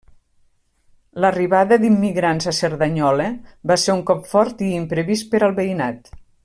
L'arribada d'immigrants a Cerdanyola va ser un cop fort i imprevist per al veïnat.